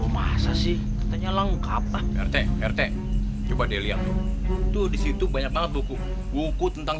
masa sih katanya langka apa rt rt coba dilihat tuh disitu banyak banget buku buku tentang